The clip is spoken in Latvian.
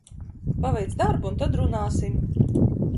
Paveic darbu un tad runāsim!